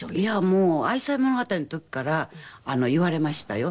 もう『愛妻物語』の時から言われましたよ。